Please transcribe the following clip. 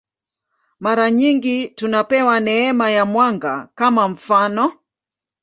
Mara nyingi tunapewa neema ya mwanga, kwa mfanof.